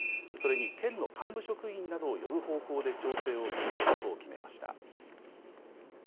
それに県の幹部職員などを呼ぶ方向で調整を進めることを決めました。